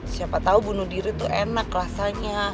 siapa tahu bunuh diri itu enak rasanya